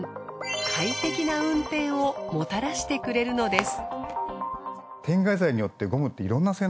快適な運転をもたらしてくれるのです。